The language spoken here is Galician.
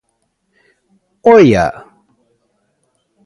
¡Oia!